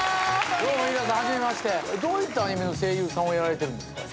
どういったアニメの声優さんをやられてるんですか？